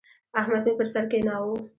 احمد مې پر سر کېناوو.